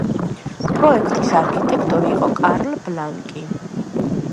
პროექტის არქიტექტორი იყო კარლ ბლანკი.